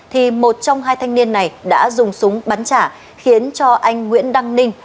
thì một trong hai thanh niên này đã dùng súng bắn trả khiến cho anh nguyễn đăng ninh